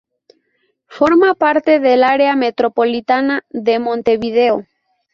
Forma parte del Área Metropolitana de Montevideo.